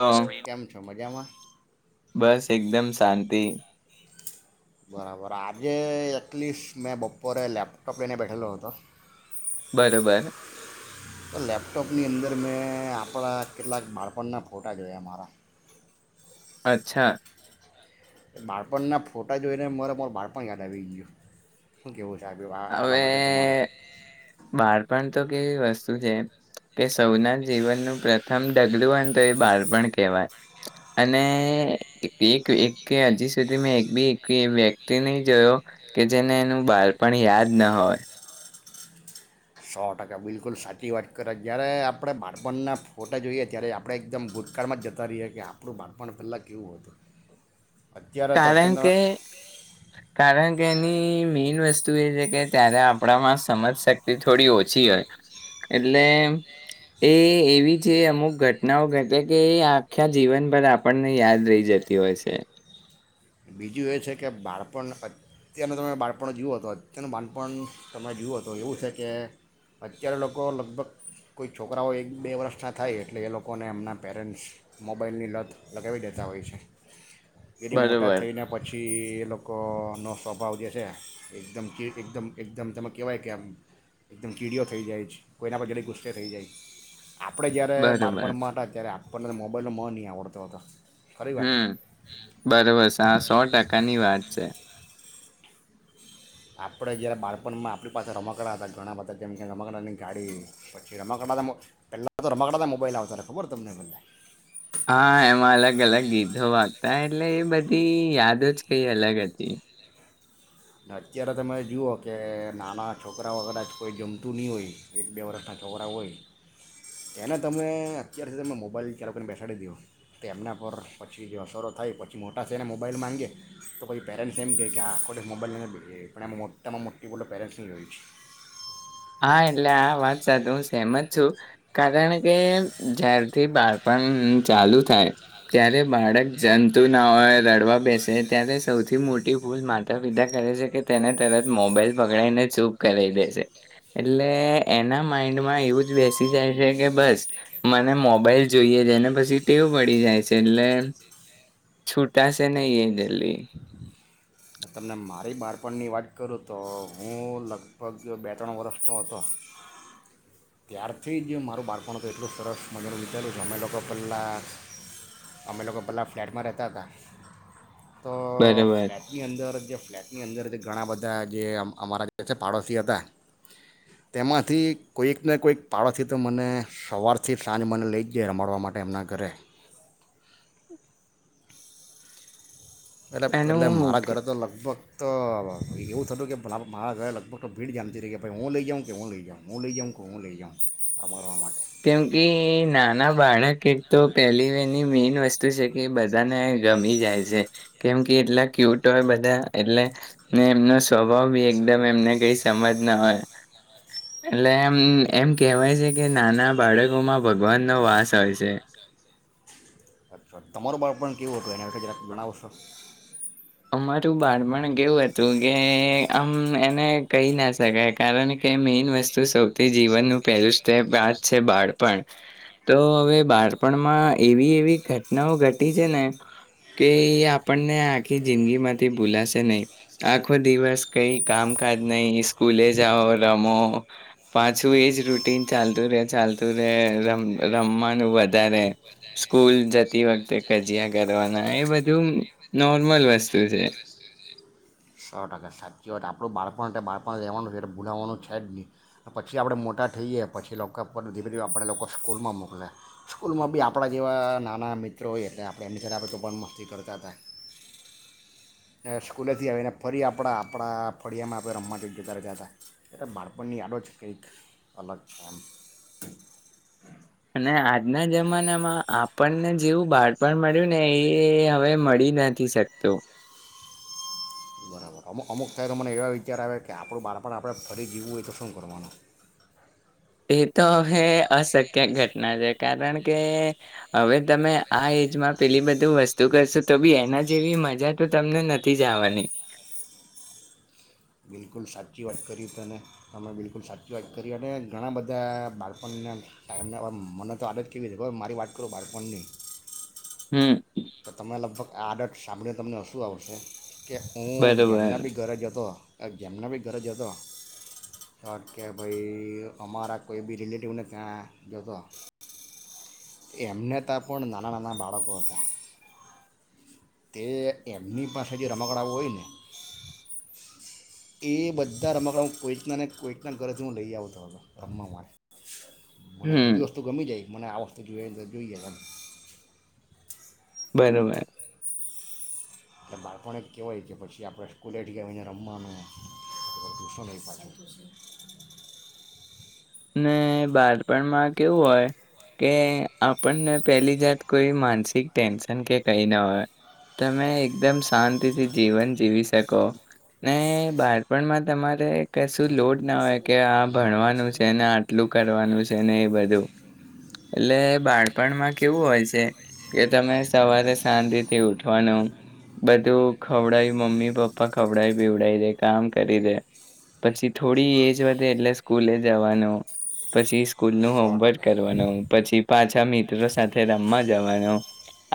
હ કેમ છો મજામાં બસ એકદમ શાંતિ. હા રાત્રે એટલીસ્ટ મેં બપોરે લેપટોપ લઈને બેઠેલો હતો. બરોબર લેપટોપની અંદર મેં આપણા કેટલાક બાળપણના ફોટા જોયા મારા. અચ્છા. બાળપણના ફોટા જોઈને મારે મારું બાળપણ યાદ આવી ગયુ. શું કેવો છે? આ બાબતે તમારે બાળપણતો કેવી વસ્તુ છે કે સૌના જીવનનું પ્રથમ ઢગલું હોયને તો એ બાળપણ કહેવાય અને એક એક કે હજી સુધી મેં એકબી એક વ્યક્તિ નહી જોયો કે જેને એનું બાળપણ યાદ ન હોય. સો ટકા બિલકુલ સાચી વાત કરે જયારે આપણે બાળપણના ફોટા જોઈએ ત્યારે આપણે એકદમ ભૂતકાળમાં જતા રહીએ કે આપણું બાળપણ પહેલાં કેવું હતું. અત્યારે તો કારણ અત્યંત કે કારણ કે એની મેઈન વસ્તુ એ છે કે ત્યારે આપણામાં સમજ શક્તિ થોડી ઓછી હોય એટલે એ એવી જે અમુક ઘટનાઓ ઘટે કે એ આખયા જીવન ભર આપણને યાદ રહી જતી હોય છે. બીજું એ છે કે બાળપણ અત્યારેનુ તમે બાળપણ જુવો તો અત્યારનુ બાળપણ તમે જુઓ તો એવું છે કે અત્યારે લોકો લગભગ કોઈ છોકરાઓ એક બે વર્ષના થાય એટલે એ લોકોને એમના પેરેન્ટ્સ મોબાઈલની લત લગાવી દેતા હોય છે. એ મોટ બરોબર. મોટા થઈને પછી એ લોકોનો સ્વભાવ જે છે એકદમ કે એકદમ એકદમ તમે કહેવાય કે આમ એકદમ કીડીઓ થઈ જાય છે કોઈના પર જલ્દી ગુસ્સે થઈ જાય. આપણે જ્યારે બાળપણમાં હતા ત્યારે આપ આપણને મોબાઈલનો મ ની આવડતો હતો ખરી વાત છે. બરાબર સે આ સો ટકાની વાત છે. આપણે જ્યારે બાળપણમાં આપણી પાસે રમકડા હતા, ઘણા બધા જેમ કે રમાકડાની ગાડી પછી રમકડા તો મો પહેલાં તો રમકડા તો મોબાઈલ આવતા હતા, ખબર તમને હા એમાં અલગ અલગ ગીતો વાગતા એટલે એ બધી યાદ જ કઈ અલગ હતી. ને અત્યારે તમે જુઓ કે નાના છોકરાઓ કદાચ કોઈ જમતું ની હોય એક બે વર્ષના છોકરા હોય તેને તમે અત્યાર સુધી તમે મોબાઈલ ચાલુ કરીને બેસાડી દીયો તો એમના પર પછી જે અસરો થાય પછી મોટા થે ને મોબાઈલ માંગે તો પછી પેરેન્ટ્સ એમ કહે, કે આ આખો મોબાઈલ લેને બેહી રે પણ એમાં મોટામાં મોટી ભુલો પેરેન્ટ્સની હોય છે. હા એટલે આ વાત સાધવુ તેમજ છું, કારણ તે એમ જ્યારથી બાળપણ ચાલુ થાય ત્યારે બાળક જંમતુ ના હોય રડવા બેસે ત્યારે સૌથી મોટી ભૂલ માતા પિતા કરે છે, કે તેને તરત મોબાઈલ પકડાઈને ચૂપ કરાય દે છે. એટલે એના માઈન્ડમાં એવું જ બેસી જાય છે, કે બસ મને મોબાઈલ જોઈએ છે ને પછી ટેવ પડી જાય છે, એટલે છૂટાશે નહી એ જલ્દી તમને મારી બાળપણની વાત કરું તો હું લગભગ બે ત્રણ વર્ષનો હતો, ત્યારથી જ મારું બાળપણ હત એટલું સરસ મને વિચાર્યું છે, અમે લોકો પહેલાં અમે લોકો પહેલાં ફ્લેટમાં રહેતા હતા તો ફ્લેટની અંદર અંદર જે ફ્લેટની અંદર જે ઘણા બધા જે અમ અમારા જે છે, પાડોશી હતા તેમાંથી કોઈકને કોઈક પાડોશી તો મને સવારથી સાંજ મને લઈ જાય રમાડવા માટે એમના ઘરે એટલે એટલે મારા ઘરે તો લગભગ તો એવું થતું કે પેલા મારા ઘરે લગભગ તો ભીડ જામતી હતી, કે ભાઈ હું લઈ જાઉં કે હું લઈ જાઉં હું લઈ જાઉં કે હું લઈ જાઉં રમાડવા માટે કેમ કે નાના બાળક એક તો પહેલી એની મેન વસ્તુ છે, કે બધાને ગમી જાય છે કેમ કે એટલા ક્યુટ હોય બધા એટલે ને એમનો સ્વભાવ બી એકદમ એમને કઈ સમજ ના હોય, એટલે એમ એમ કહેવાય છે, કે નાના બાળકોમાં ભગવાનનો વાસ હોય છે. અચ્છા તમારું બાળપણ કેવું હતું એના વિષે જરાક જણાવો છો? અમારું બાળપણ કેવું હતું કે આમ એને કહી ના શકાય કારણ કે મેઈન વસ્તુ સૌથી જીવનનું પહેલું સ્ટેપ વાત છે, બાળપણ તો હવે બાળપણમાં એવી એવી ઘટનાઓ ઘટી છે, ને કે આપણને આ આખી જિંદગી માંરાથી ભૂલાશે નહી, આખો દિવસ કઈ કામકાજ નહી સ્કૂલે જાઓ રમો પાછું એજ રૂટીન ચાલતું રે ચાલતું રે રમ રમવાનું વધારે સ્કૂલ જતી વખતે કજીયા કરવાના એ બધું ન નોર્મલ વસ્તુ છે. સો ટકા સાચી વાત આપણું બાળપણ તો બાળપણ રહેવાનું છે, એટલે ભૂલાવવાનું છે જ ની પછી આપણે મોટા થઈએ પછી લોકો આપણને ધીરે ધીરે આપણે લોકો સ્કૂલમાં મોકલે સ્કૂલમાં બી આપણા જેવા નાના મિત્રો હોયએ એટલે આપણે એમની સાથે આપણે તો પણ મસ્તી કરતા થાય, ને સ્કૂલેથી આવીને ફરી આપણા આપણા ફળિયામાં આપણે રમવા જોઈએ, જતા રેહતાતા ત્યારે બાળપણની યાડો જ કંઈક અલગ છે, એમ અને આજના જમાનામાં આપણને જેવું બાળ પણ મળ્યુંને એ હવે મળી નથી શક તો બરાબર અમુક અમુક થાય તો મને એવા વિચાર આવે કે આપણું બળપણ આપણે ફરી જીવવુ હોય, તો શું કરવાનું? એ તો હવે અશક્ય ઘટના છે, કારણ કે હવે તમે આ એજમાં પેલી બધું વસ્તુ કરશો, તો બી એના જેવી મજા તો તમને નથી જ આવાની બિલકુલ સાચી વાત કરી તને તમે બિલકુલ સાચી વાત કરી. અને ઘણા બધા બાળપણને ટાઈમના હવે મને તો આદત કેવી હતી ખબરે હવે મારી વાત કરું બાળપણની હમ્મ તો તમે લગભગ આ આડટ સાંભળીને તમને હશું, આવશે. કે હું બરોબર જેમના બી ઘરે જતો અ જેમના બી ઘરે જતો હહ કે ભઈ અમારા કોઈ બી રિલેટિવને ત્યાં જતો એમને તા પણ નાના નાના બાળકો હતા. તે એમની પાસે જે રમકડાં હોય ને એ બધા રમકડા હું કોઈકના ને કોઈકના ઘરેથી હું લઈ આવતો હતો, રમવા માટે મને જે હમ બી વસ્તુ ગમી જાય, મને આ વસ્તુ જોઈએ એટલે જોઈએ, એમ બરોબર એટલે બાળપણ જ કહેવાય કે પછી આપણે સ્કૂલેથી આવીને રમવાનું [inaudible] ને બાળપણમાં કેવું હોય કે આપણને પહેલી જાત કોઈ માનસિક ટેન્શન કે કંઈ ના હોય, તમે એકદમ શાંતિથી જીવન જીવી શકોને બાળપણમાં તમારે કશું લોડ ના હોય કે આ ભણવાનું છે. તેને આટલું કરવાનું છે ને એ બધું. એટલે બાળપણમાં કેવું હોય છે કે તમે સવારે શાંતિથી ઉઠવાનું, બધું ખવડાય મમ્મી પપ્પા ખવડાય પીવડાવ દે કામ કરી દે, પછી થોડી એજ વધે એટલે સ્કૂલે જવાનું. પછી સ્કૂલનું સો ટકા હોમવર્ક ને કરવાનું, પછી પાછા મિત્રો સાથે રમવા જવાનું.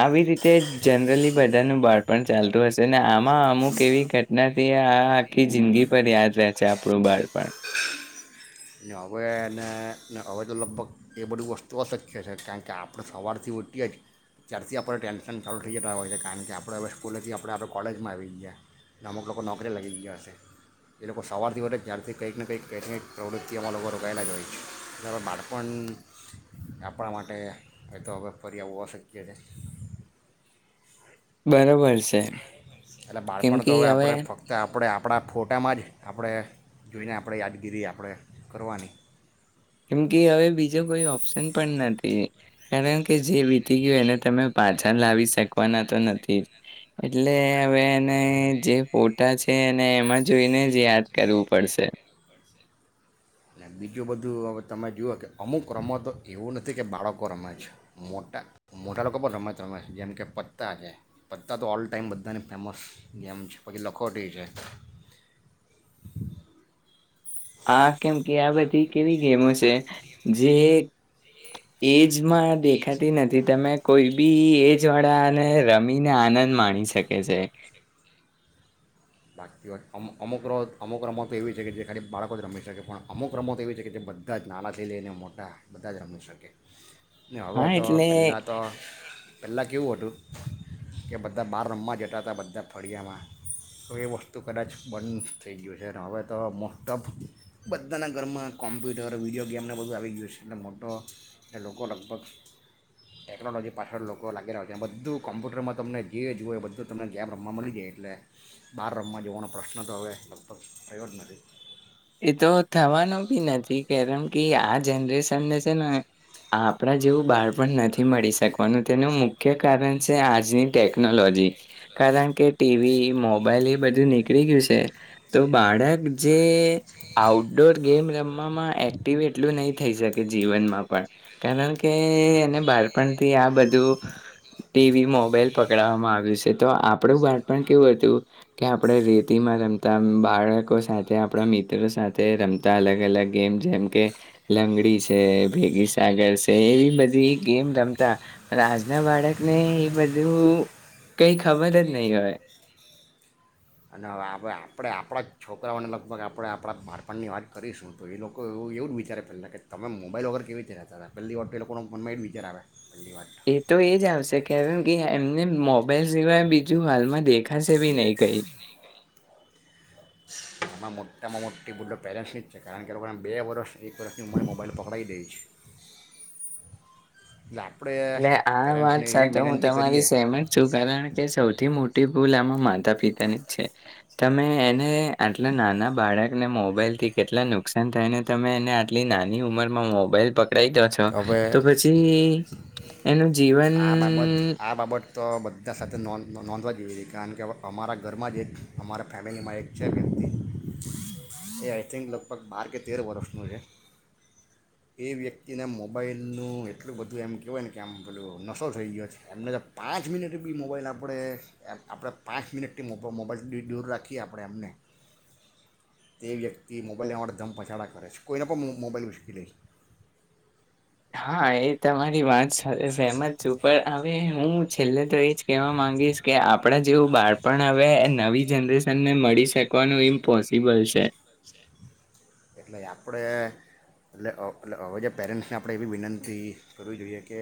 આવી રીતે જનરલી બધાનું બાળપણ ચાલતું હશે ને, આમાં અમુક એવી ઘટનાથી આ આખી જિંદગીભર યાદ રહે છે આપણું બાળપણ. અને હવેને હવે તો લગભગ એ બધી વસ્તુ અશક્ય છે, કારણ કે આપણે સવારથી ઉઠીએ જ ત્યારથી આપણે ટેન્શન ચાલુ થઈ જતા હોય છે, કારણ કે આપણે હવે સ્કૂલેથી આપણે હવે કોલેજમાં આવી ગયા. અને અમુક લોકો નોકરી લાગી ગયા હશે. એ લોકો સવારથી ઉઠે જ ત્યારથી કાંઈક ને કાંઈક કાંઈક ને કાંઈક પ્રવૃત્ કે એમાં લોકો રોકાયેલા જ હોય છે. એટલે હવે બાળપણ આપણા માટે એ તો હવે ફરી આવવું અશક્ય છે. બરોબર છ એટલે બાળપણ તો હવે આપણે ફક્ત આપણે આપ પણા ફોટામાં જ આપણે જોઈને આપણે યાદગીરી આપણે કરવાની. કેમ કે હવે બીજો કોઈ ઓપ્શન પણ નથી. કારણ કે જે વીતી ગયું એને તમે પાછા લાવી શકવાના તો નથી જ. એટલે હવે એને જે ફોટા છે એને એમાં જોઈને જ યાદ કરવું પડશે. અને બીજું બધું હવે તમે જુઓ કે અમુક રમતો એવું નથી કે બાળકો રમે છે. મોટા-મોટા લોકો પણ રમત રમે છે. જેમ કે પત્તા છે, પત્તા તો ઓલ ટાઈમ બધાને ફેમસ, ગેમ છે, પછી લખોટી છે. આ કેમ કે આ બધી કેવી ગેમો છે જે એજમાં દેખાતી નથી. તમે કોઈ બી એજ વાળાને રમીને આનંદ માણી શકે છે. હાચી વાત. અમુક અમુક રો અમુક રમતો એવી છે કે જે ખાલી બાળકો જ રમી શકે. પણ અમુક રમતો એવી છે કે જે બધા જ નાનાંથી લઈને મોટા બધા જ રમી શકે. ને હવે હા તો એટલે પેલા તો પેલા કેવું હતું કે બધા બાર રમવા જતા તા બધાં ફળિયામાં તો એ વસ્તુ કદાચ બંધ થઈ ગયું છે. ને હવે તો મોસ્ટ ઓફ બધાના ઘરમાં કોમ્પ્યુટર, વિડીયો ગેમને બધું આવી ગયું છે. એટલે મોટો એ લોકો લગભગ ટેકનોલોજી પાછળ લોકો લાગેલા છે. અને બધું કોમ્પ્યુટરમાં તમને જે જુુવે એ બધું તમને ગેમ રમવા મલી જાય એટલે બહાર રમવા જવાનો પ્રશ્ન તો હવે લગભગ થયો જ નથી. એ તો થવાનું બી નથી. કારણ કે આ જનરેશનને છે ને આપણા જેવું બાળપણ નથી મળી શકવાનું, તેનું મુખ્ય કારણ છે આજની ટેકનોલોજી કારણ કે ટીવી, મોબાઈલ એ બધું નીકળી ગયું છે, તો બાળક જે આઉટડોર ગેમ રમવામાં એક્ટિવ એટલું નહી થઈ શકે જીવનમાં પણ, કારણ કે એને બાળપણથી આ બધું ટીવી, મોબાઈલ પકડાવામાં આવ્યું છે. તો આપણું બાળપણ કેવું હતું કે આપણે રેતીમાં રમતા, બાળકો સાથે આપણા મિ ત્રો સાથે રમતા અલગ-અલગ ગેમ જેમ કે લંગડી છે, ભેગી સાગર છે, એવી બધી ગેમ રમતા પણ આજના બાળકને એ બધું કઈ ખબર જ નહી હોય. અને હવે આપણે આપણા આપણા જ છોકરાઓને લગભગ આપણે આપણા બાળપણની વાત કરીશું તો એ લોકો એવું એવું જ વિચારે પેલાં કે તમે મોબાઈલ વગર કેવી રીતે રેતાતા. પહેલી વાત તો એ લોકોના મનમાં એ જ વિચાર આવે. પહેલી વાત એ તો એજ આવશે કારણ કે એમને મોબાઈલ સિવાય બી જું હાલમાં દેખાસે ભી નહીં કઈ. આમાં મોટામાં મોટી ભૂલો પેરેન્ટ્સની જ છે. કારણ કે એ લોકોને બે વર્ષ એક વર્ષની ઉંમરે મોબાઈલ પકડાઈ દે છે. એટલે આપણે એટલે આ પેરેન્ટ્સને વાત સાચ એવી હું વિનંતી તમારી કરીએ સહેમત છું. કારણ કે સૌથી મોટી ભૂલ આમાં માતા પિતાની જ છે. તમે એને આટલા નાના બાળકને મોબાઈલ થી કેટલા નુકસાન થાયને તમે એને આટલી નાની ઉંમરમાં મોબાઈલ પ પકડાઈ દો છો કે હવે તો પછી એનું જીવન આ બાબત આ બાબત તો બધા સાથે નોધ નોંધવા જેવી કારણ કે હવે અમારા ઘરમાં જ એક અમારા ફેમિલીમાં એક છે વ્યક્તિ, એ આઈ થિંક લગભગ બાર કે તેર વર્ષનું છે. એ વ્યક તિ ના મોબાઈલનું એટલું બધું એમ કહેવાય ને કે આમ પેલું નશો થઈ ગયો છે. એમને તો પાંચ મિનિટ બી મોબાઈલ આપણે, આપણા પાંચ મિનિટથી મોકો મોબાઈલથી દૂર રાખીએ આપણે એમને, તે વ્યક્તિ મોબાઈલ લેવા ધમપછાડા કરે છે. કોઈના પણ મો મોબાઈલ ઉચંકી લે છે. હા, એ તમારી વાત સાથે સહમત છું પણ હવે હું છેલ્લે તો એજ કહેવા માંગીશ કે આપણા જેવું બાળપણ હવે નવી જનરેશન ને મળી શકવાનું ઇમ્પોસિબલ છે. એટલે આપણે એટલે હવ હવે જે પેરેન્ટ્સને આપણે એવી વિનંતી કરવી જોઈએ કે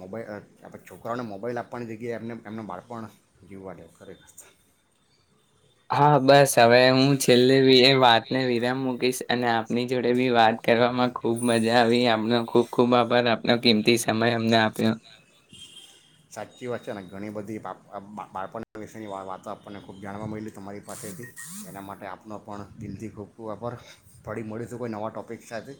મોબાઈલ આ આપણે છોકરાઓને મોબાઈલ આપવાની જગ્યાએ એમને એમનું બાળપણ જીવવા દે ખરેખર. હા બસ હવે હું છેલ્લે બી એ વાતને વિરામ મૂકીશ અને આપની જોડે બી વાત કરવામાં ખુબ મજા આવી. એમનો ખુબ ખુબ આભ સાચી વાત છે ને. ઘણી બધી [unintelligible] બા બાળપણના વિશેની વા વાતો આપણને ખૂબ જાણવા મયલી તમારી પાસેથી. એના માટે આપનો પણ દિલથી ખૂબ-ખૂબ આભાર. ફરી મળીશું કોઈ નવા ટોપિક સાથે.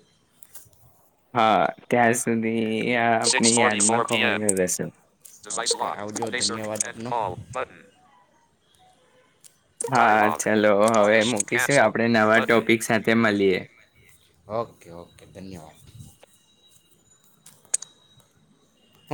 હા, ત્યાં સુધી આ [unintelligible] બન. હા, ચલો હવે મૂકીશું. આપણે નવા ટોપિક સાથે મલીએ. ઓકે ઓકે ધન્યવાદ